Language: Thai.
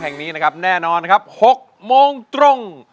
แห่งนี้แน่นอน๖โมงตรง